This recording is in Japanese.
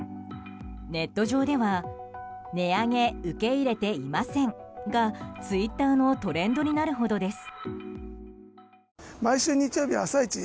ネット上では「＃値上げ受け入れていません」がツイッターのトレンドになるほどです。